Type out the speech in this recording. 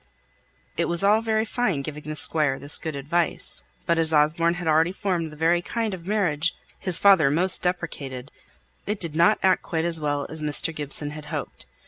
It was all very fine giving the Squire this good advice; but as Osborne had already formed the very kind of marriage his father most deprecated, it did not act quite as well as Mr. Gibson had hoped.